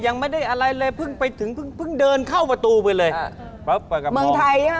ยังไม่ได้อะไรเลยเพิ่งไปถึงเพิ่งเดินเข้าประตูไปเลย